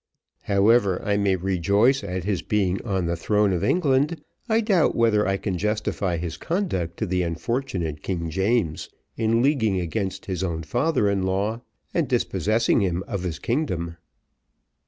"However I may rejoice at his being on the throne of England, I doubt whether I can justify his conduct to the unfortunate King James; in leaguing against his own father in law and dispossessing him of his kingdom.